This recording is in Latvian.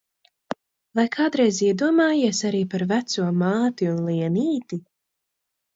Vai kādreiz iedomājies arī par veco māti un Lienīti?